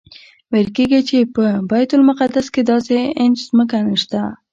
ویل کېږي په بیت المقدس کې داسې انچ ځمکه نشته.